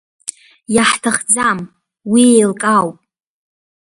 Иаҳҭахӡам, уи еилкаауп.